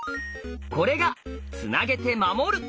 これが「つなげて守る」。